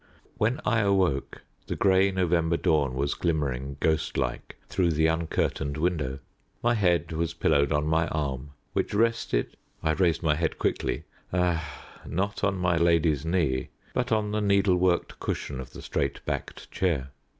When I awoke the grey November dawn was glimmering, ghost like, through the uncurtained window. My head was pillowed on my arm, which rested I raised my head quickly ah! not on my lady's knee, but on the needle worked cushion of the straight backed chair.